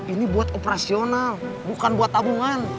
ini buat operasional bukan buat tabungan